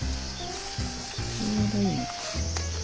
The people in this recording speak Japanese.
ちょうどいいね。